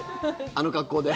あの格好で。